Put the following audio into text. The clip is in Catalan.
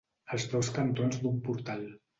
Els dos cantons d'un portal.